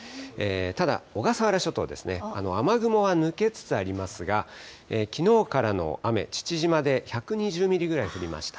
ただ、小笠原諸島ですね、雨雲は抜けつつありますが、きのうからの雨、父島で１２０ミリぐらい降りました。